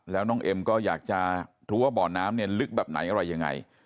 แล้วน้องเอ็มก็อยากจะรู้ว่าบ่อน้ำเนี่ยลึกแบบไหนอะไรยังไง